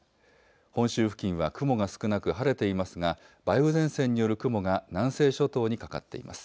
本州付近は雲が少なく晴れていますが梅雨前線による雲が南西諸島にかかっています。